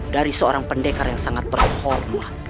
dari seorang pendekar yang sangat terhormat